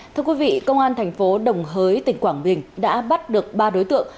thưa quý vị công an thành phố đồng hới tỉnh quảng bình đã bắt được ba đối tượng